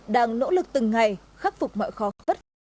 đang nỗ lực từng ngày khắc phục mọi khó khăn